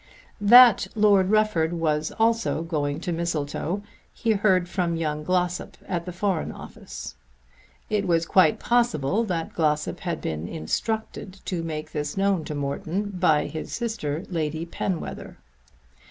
That Lord Rufford was also going to Mistletoe he heard from young Glossop at the Foreign Office. It was quite possible that Glossop had been instructed to make this known to Morton by his sister Lady Penwether.